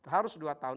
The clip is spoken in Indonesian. harus dua tahun